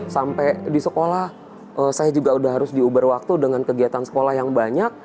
sampai di sekolah saya juga sudah harus diuber waktu dengan kegiatan sekolah yang banyak